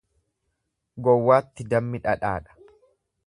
Gowwaatti dammi dhadhaadha.